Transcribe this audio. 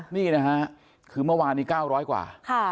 นี่นะฮะคือเมื่อวานนี้๙๐๐กว่า